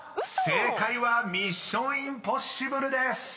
［正解は『ミッション：インポッシブル』です］